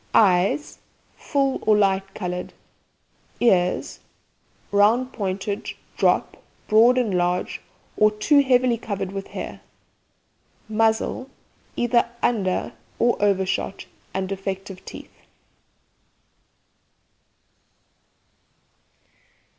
EYES Full or light coloured. EARS Round pointed, drop, broad and large, or too heavily covered with hair. MUZZLE Either under or over shot, and defective teeth.